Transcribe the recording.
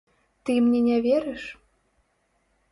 Ты мне не верыш?